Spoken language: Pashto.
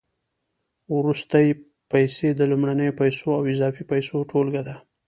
وروستۍ پیسې د لومړنیو پیسو او اضافي پیسو ټولګه ده